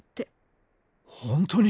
本当に！？